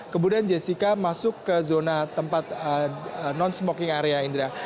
kemudian jessica masuk ke zona tempat non smoking area indra